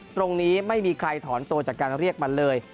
ตรงนี้ไม่มีใครถอนโตจากการเรียกมันเลย